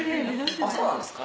あっそうなんですか？